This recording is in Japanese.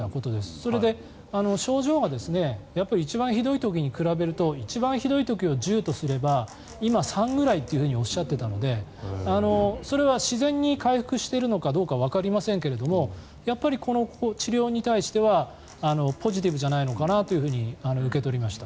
それで、症状が一番ひどい時に比べると一番ひどい時を１０とすれば今、３くらいという話をされていたのでそれは自然に回復しているのかどうかわかりませんがやっぱりこの治療に対してはポジティブじゃないのかなと受け取りました。